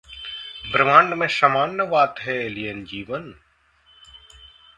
ब्रह्मांड में सामान्य बात है एलियन जीवन?